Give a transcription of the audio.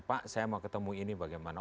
pak saya mau ketemu ini bagaimana